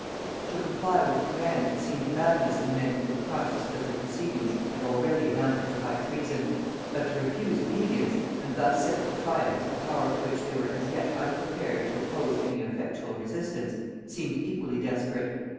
To comply with the command seemed madness in men who were conscious that their proceedings had already amounted to high treason; but to refuse obedience, and thus set at defiance a power to which they were as yet unprepared to oppose any effectual resistance, seemed equally desperate.